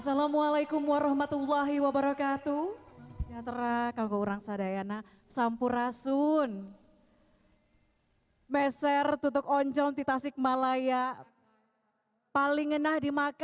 assalamualaikum warahmatullahi wabarakatuh